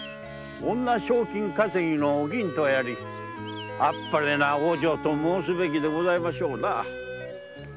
女賞金稼ぎのお銀とやら天晴な往生と申すべきでございましょうな。